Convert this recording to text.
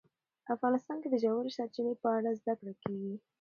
افغانستان کې د ژورې سرچینې په اړه زده کړه کېږي.